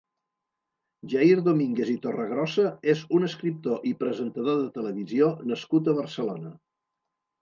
Jair Domínguez i Torregrosa és un escriptor i presentador de televisió nascut a Barcelona.